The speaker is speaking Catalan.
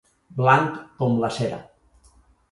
Blanc com la cera.